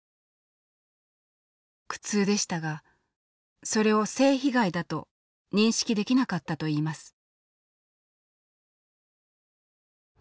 苦痛でしたがそれを「性被害」だと認識できなかったといいます。